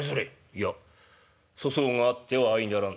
「いや粗相があっては相ならん。